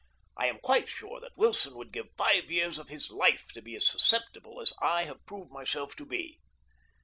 I am quite sure that Wilson would give five years of his life to be as susceptible as I have proved myself to be.